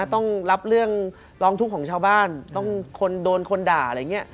ต้องรับเรื่องร้องทุกข์ของชาวบ้านต้องคนโดนคนด่าอะไรอย่างนี้